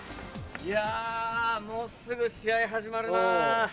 いやもうすぐ試合始まるなぁ。